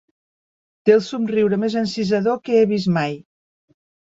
Té el somriure més encisador que he vist mai.